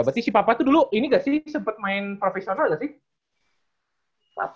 berarti si papa itu dulu ini gak sih sempet main profesional gak sih